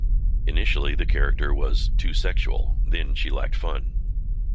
Initially the character was "too sexual," then she lacked fun.